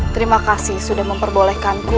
terima kasih sudah memperbolehkanku